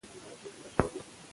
لمریزه برېښنا حل دی.